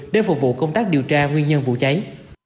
để phục vụ công tác điều tra nguyên nhân vụ cháy